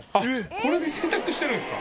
これで洗濯してるんですか？